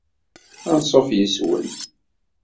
Anṣuf yes-wen!